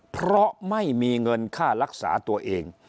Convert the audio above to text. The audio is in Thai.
เพราะไม่มีเงินค่ารักษาตัวเอง